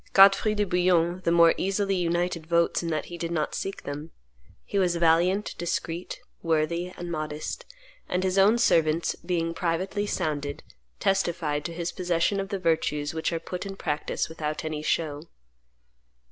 Godfrey de Bouillon the more easily united votes in that he did not seek them. He was valiant, discreet, worthy, and modest; and his own servants, being privately sounded, testified to his possession of the virtues which are put in practice without any show.